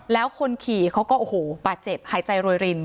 แล้วคนขี่เขาก็โอ้โหบาดเจ็บหายใจโรยริน